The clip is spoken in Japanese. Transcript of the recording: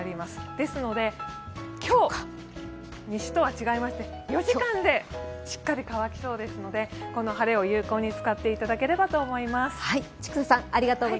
ですので今日４時間でしっかり乾きそうですのでこの晴れを有効に使っていただければと思います。